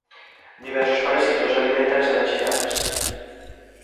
Diversos parasitos aliméntanse das xirafas.